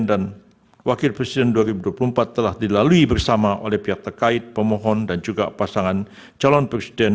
dan wakil presiden dua ribu dua puluh empat telah dilalui bersama oleh pihak terkait pemohon dan juga pasangan calon presiden